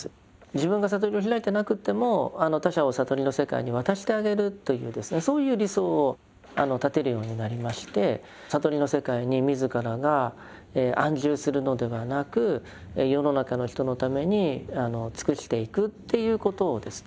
自分が悟りを開いてなくても他者を悟りの世界に渡してあげるというそういう理想を立てるようになりまして悟りの世界に自らが安住するのではなく世の中の人のために尽くしていくっていうことをですね